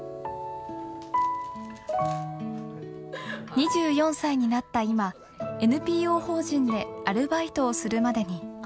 ２４歳になった今ＮＰＯ法人でアルバイトをするまでに。